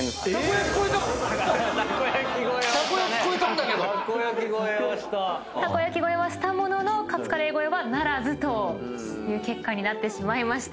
たこ焼き超えはしたもののカツカレー超えはならずという結果になってしまいました。